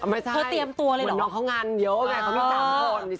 ไม่ใช่เหมือนน้องเขางานเยอะแบบ